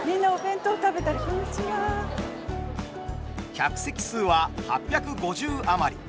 客席数は８５０余り。